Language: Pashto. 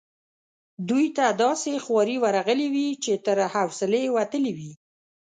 دوی ته داسي خوارې ورغلي وې چې تر حوصلې وتلې وي.